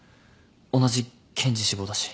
同じ検事志望だし。